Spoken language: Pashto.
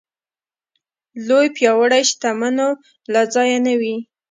لوی پياوړ شتمنو له ځایه نه وي.